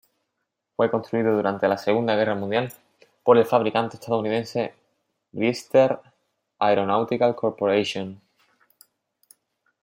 Fue construido durante la Segunda Guerra Mundial por el fabricante estadounidense Brewster Aeronautical Corporation.